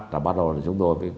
rồi bắt đầu chúng tôi